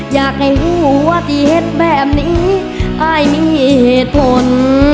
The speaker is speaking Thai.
อยากให้หัวที่เห็นแบบนี้อายมีเหตุผล